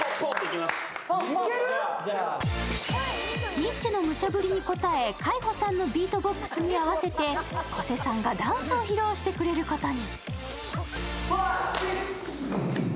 ニッチェのむちゃぶりに応え海帆さんのビートボックスに合わせて古瀬さんがダンスを披露してくれることに。